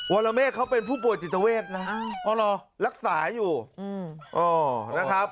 รเมฆเขาเป็นผู้ป่วยจิตเวทนะอ๋อเหรอรักษาอยู่นะครับ